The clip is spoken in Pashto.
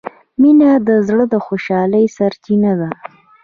مینه د زړه د خوشحالۍ سرچینه ده.